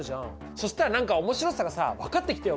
そしたら何か面白さがさ分かってきたよ